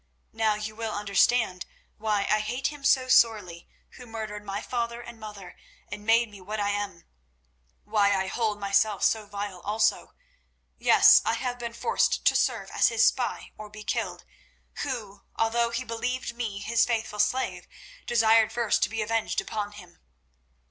Now you will understand why I hate him so sorely who murdered my father and my mother, and made me what I am; why I hold myself so vile also. Yes, I have been forced to serve as his spy or be killed, who, although he believed me his faithful slave, desired first to be avenged upon him."